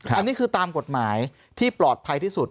อันนี้คือตามกฎหมายที่ปลอดภัยที่สุด